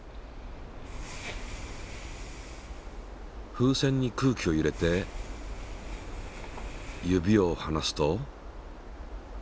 風船に空気を入れて指をはなすと。